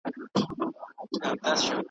غوښه د انرژۍ سرچینه ده.